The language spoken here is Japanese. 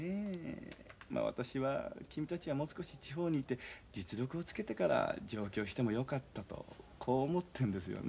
あの私は君たちはもう少し地方にいて実力をつけてから上京してもよかったとこう思ってるんですよね。